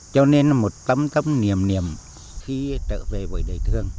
cho nên là một tấm tấm niềm niềm khi trở về với đời thương